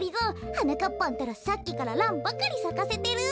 はなかっぱんったらさっきからランばかりさかせてる。